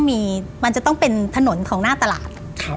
มันจะต้องเป็นถนนของหน้าตลาด